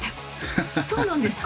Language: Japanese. そうなんですか？